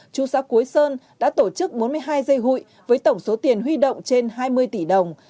chú xã quế sơn đã tổ chức bốn mươi hai dây hụi với tổng số tiền huy động trên hai mươi tỷ đồng